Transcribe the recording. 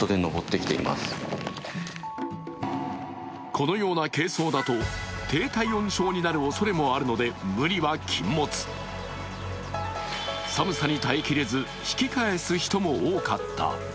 このような軽装だと低体温症になるおそれもあるので、無理は禁物、寒さに耐えきれず引き返す人も多かった。